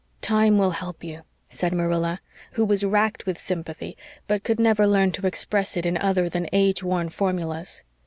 "Time will help you," said Marilla, who was racked with sympathy but could never learn to express it in other than age worn formulas.